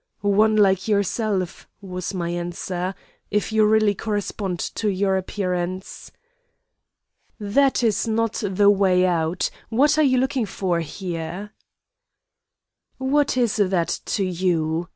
"'One like yourself,' was my answer, 'if you really correspond to your appearance.' "'That is not the way out? What are you looking for here?' "'What is that to you?